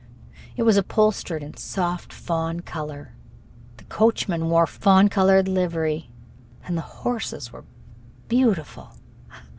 It was upholstered in soft fawn color, the coachman wore fawn colored livery, and the horses were beautiful.